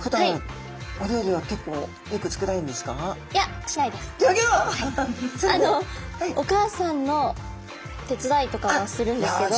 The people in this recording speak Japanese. あのお母さんの手伝いとかはするんですけど。